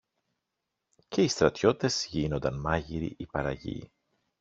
και οι στρατιώτες γίνονταν μάγειροι ή παραγιοί